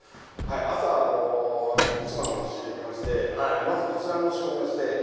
朝市場の方に仕入れに行きましてまずこちらの仕込みをして。